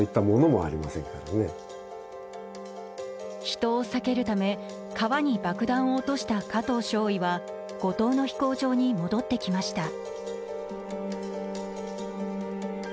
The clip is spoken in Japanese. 人を避けるため川に爆弾を落とした加藤少尉は後藤野飛行場に戻ってきました。